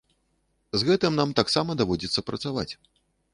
З гэтым нам таксама даводзіцца працаваць.